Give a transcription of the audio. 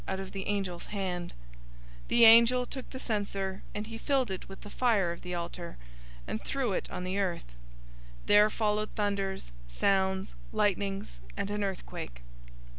008:005 The angel took the censer, and he filled it with the fire of the altar, and threw it on the earth. There followed thunders, sounds, lightnings, and an earthquake.